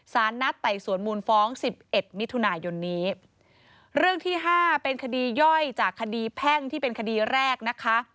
สารนัดไต่สวนมูลฟ้องสิบเอ็ดมิถุนายนนี้เรื่องที่ห้าเป็นคดีย่อยจากคดีแพ่งที่เป็นคดีแรกนะคะ